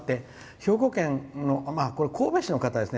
兵庫県の神戸市の方ですね。